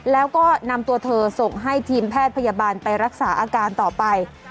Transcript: แล้วก็นำตัวเธอส่งให้ทีมแพทย์พยาบาลไปรักษาอาการต่อไป